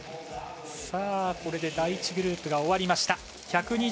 これで第１グループが終わりました。